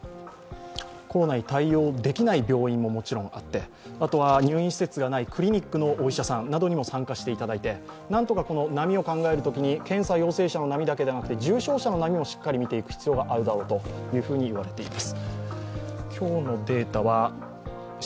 コロナに対応できない病院ももちろんあって、入院施設のないクリニックのお医者さんにも加わっていただいてなんとか、波を考えるときに検査陽性者の波だけではなくて、重症者の波もしっかり見ていく必要があるだろうと言われています。